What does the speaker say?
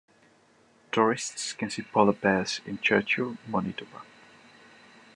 Tourists can see polar bears in Churchill, Manitoba.